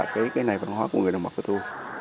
cái này văn hóa của người đồng bào cơ tu